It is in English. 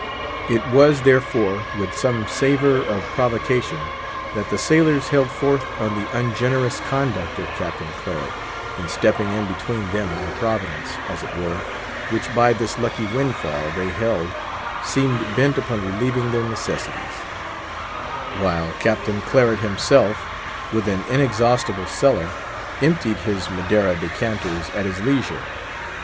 It was therefore with some savour of provocation that the sailors held forth on the ungenerous conduct of Captain Claret, in stepping in between them and Providence, as it were, which by this lucky windfall, they held, seemed bent upon relieving their necessities; while Captain Claret himself, with an inexhaustible cellar, emptied his Madeira decanters at his leisure.